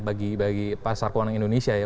bagi pasar keuangan indonesia ya